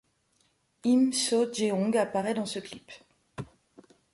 Im Soo-jeong apparaît dans ce clip.